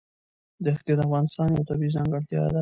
دښتې د افغانستان یوه طبیعي ځانګړتیا ده.